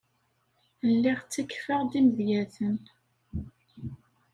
Lliɣ ttakfeɣ-d imedyaten.